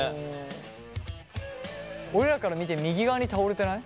俺らから見て右側に倒れてない？